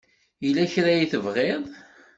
Yella kra ay tebɣiḍ?